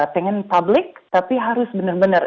pengen public tapi harus benar benar